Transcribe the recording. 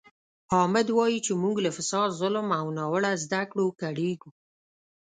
حامد وایي چې موږ له فساد، ظلم او ناوړه زده کړو کړېږو.